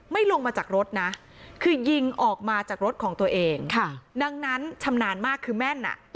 ลงมาจากรถนะคือยิงออกมาจากรถของตัวเองค่ะดังนั้นชำนาญมากคือแม่นอ่ะ